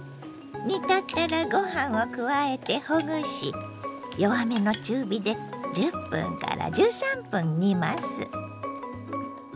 煮立ったらご飯を加えてほぐし弱めの中火で１０１３分煮ます。